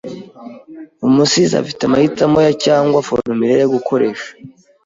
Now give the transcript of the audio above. Umusizi afite amahitamo ya cyangwa formulaire yo gukoresha